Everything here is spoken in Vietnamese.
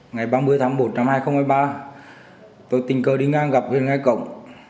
ngày ba mươi tháng một năm hai nghìn hai mươi ba tôi tình cờ đi ngang gặp huyện ngai cộng